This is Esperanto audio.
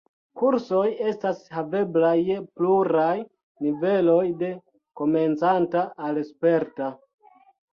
Kursoj estas haveblaj je pluraj niveloj, de komencanta al sperta.